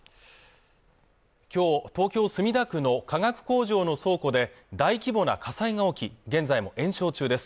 今日東京墨田区の化学工場の倉庫で大規模な火災が起き現在も延焼中です